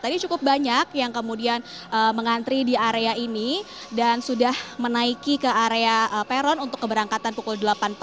tadi cukup banyak yang kemudian mengantri di area ini dan sudah menaiki ke area peron untuk keberangkatan pukul delapan pagi